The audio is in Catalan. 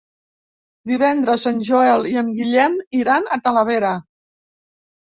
Divendres en Joel i en Guillem iran a Talavera.